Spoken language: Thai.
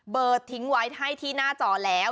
ทิ้งไว้ให้ที่หน้าจอแล้ว